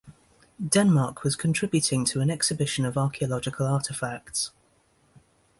Denmark was contributing to an exhibition of archeological artefacts.